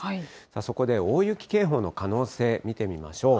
そこで大雪警報の可能性、見てみましょう。